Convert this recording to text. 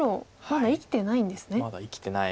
まだ生きてないです。